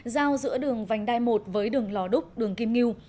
giao giữa đường vành đai một với đường lò đúc đường kim nghiêu